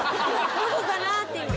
どこかなって今。